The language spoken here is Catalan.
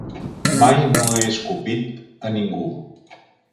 Mai no he escopit a ningú.